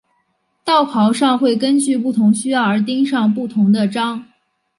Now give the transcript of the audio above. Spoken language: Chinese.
道袍上会根据不同需要而钉上不同的章。